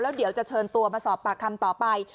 เดี๋ยวจะเชิญตัวมาสอบปากคำต่อไป